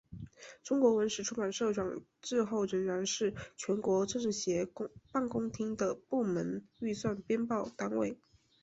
中国文史出版社转制后仍然是全国政协办公厅的部门预算编报单位。